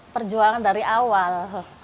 perjuangan dari awal